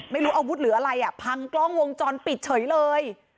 ไม่รู้อาวุธหรืออะไรอ่ะพังกล้องวงจรปิดเฉยเลย